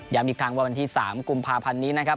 ยังมีครั้งวันที่๓กุมภาพันธ์นี้นะครับ